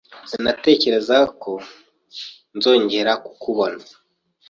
Sinatekerezaga ko ntazongera kukubona